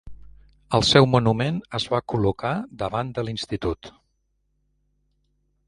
El seu monument es va col·locar davant de l'institut.